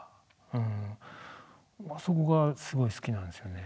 あそこがすごい好きなんですよね。